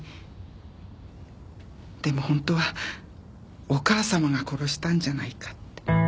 でも本当はお母様が殺したんじゃないかって。